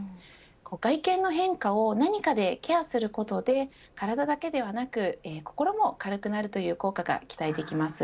外見の変化を何かでケアすることで体だけではなく心も軽くなる効果が期待できます。